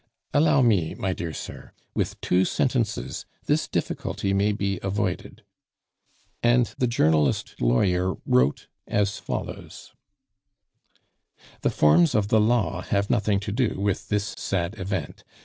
"Allow me, my dear sir; with two sentences this difficulty may be avoided." And the journalist lawyer wrote as follows: "The forms of the law have nothing to do with this sad event.